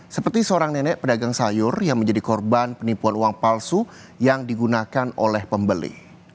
seperti seorang nenek pedagang sayur yang menjadi korban penipuan uang palsu yang digunakan oleh pembeli